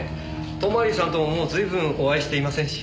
泊さんとももう随分お会いしていませんし。